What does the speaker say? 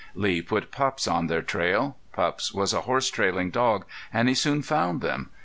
Lee put Pups on their trail. Pups was a horse trailing dog and he soon found them.